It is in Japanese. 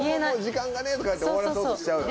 「時間がね」とか言って終わらそうとしちゃうよな。